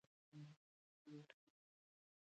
انار د افغانستان په طبیعت کې یو ډېر مهم رول لري.